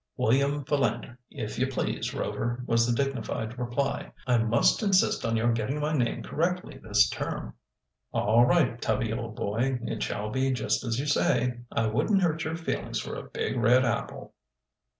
"William Philander, if you please, Rover," was the dignified reply. "I must insist on your getting my name correctly this term." "All right, Tubby, old boy, it shall be just as you say. I wouldn't hurt your feelings for a big red apple."